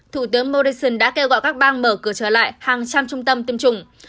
thủ tướng morrison đã kêu gọi các bang mở cửa trở lại hàng trăm trung tâm tiêm chủng